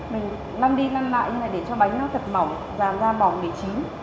mình lăn đi lăn lại như thế này để cho bánh nó thật mỏng dàn ra mỏng để chín